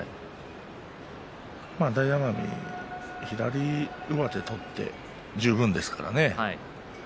大奄美、左上手を取って十分ですから。